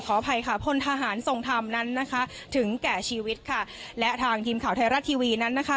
อภัยค่ะพลทหารทรงธรรมนั้นนะคะถึงแก่ชีวิตค่ะและทางทีมข่าวไทยรัฐทีวีนั้นนะคะ